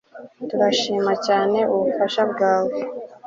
Turashimira cyane ubufasha bwawe